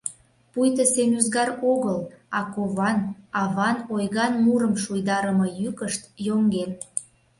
Пуйто семӱзгар огыл, а кован, аван ойган мурым шуйдарыме йӱкышт йоҥген.